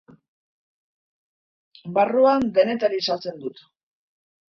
Barruan denetarik saltzen dut.